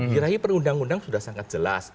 kirahi perundang undang sudah sangat jelas